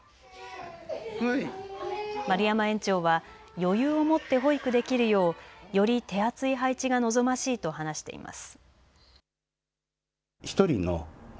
丸山園長は余裕をもって保育できるようより手厚い配置が望ましいと話しています。